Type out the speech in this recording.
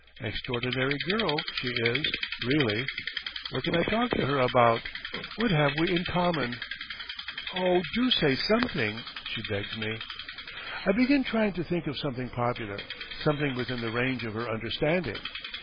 Extraordinary girl she is, really! What can I talk to her about? What have we in common? "Oh, do say something!" she begs me. I begin trying to think of something popular, something within the range of her understanding.